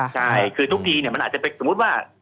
ใช่คือทุกทีมันอาจจะไปสมมุติว่า